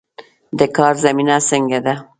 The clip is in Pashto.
د کار زمینه څنګه ده؟